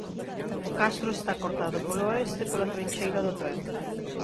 O castro está cortado polo oeste pola trincheira do tren.